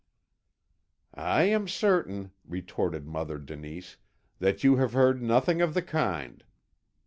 "I am certain," retorted Mother Denise, "that you have heard nothing of the kind.